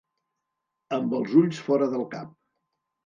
Amb els ulls fora del cap.